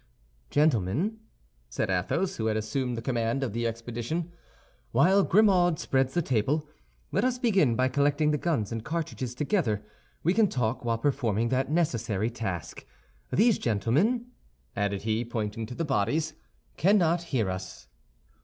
"Gentlemen," said Athos, who had assumed the command of the expedition, "while Grimaud spreads the table, let us begin by collecting the guns and cartridges together. We can talk while performing that necessary task. These gentlemen," added he, pointing to the bodies, "cannot hear us."